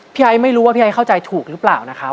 ไอ้ไม่รู้ว่าพี่ไอเข้าใจถูกหรือเปล่านะครับ